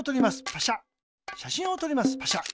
パシャ。